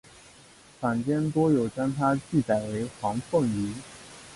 坊间多有将她记载为黄凤仪。